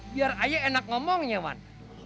biar ayah enak ngomongnya wan